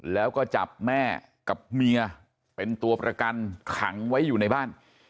แล้วก็จับแม่กับเมียเป็นตัวประกันขังไว้อยู่ในบ้าน